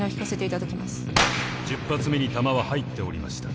１０発目に弾は入っておりました。